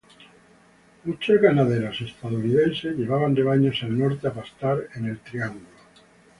Muchos ganaderos estadounidenses llevaban rebaños al norte a pastar en el triángulo.